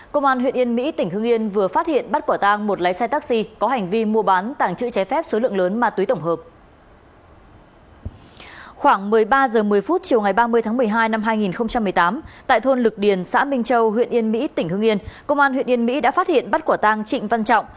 khoảng một mươi ba h một mươi chiều ngày ba mươi tháng một mươi hai năm hai nghìn một mươi tám tại thôn lực điền xã minh châu huyện yên mỹ tỉnh hương yên công an huyện yên mỹ đã phát hiện bắt quả tang trịnh văn trọng